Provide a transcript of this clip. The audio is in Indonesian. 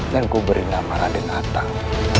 dan kuberi nama raden kian santang